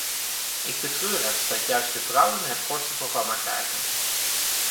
Ik betreur het dat juist de vrouwen het kortste programma krijgen.